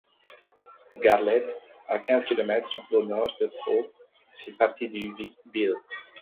Garlède, à quinze kilomètres au nord de Pau fait partie du Vic-Bilh.